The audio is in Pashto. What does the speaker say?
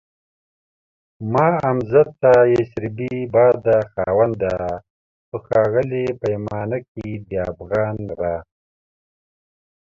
ما حمزه ته يسربی باده خاونده په ښاغلي پیمانه کي دافغان را